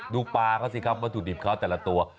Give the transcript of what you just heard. ดูปลาเขาสิครับวัตถุดิบเขาแต่ละตัว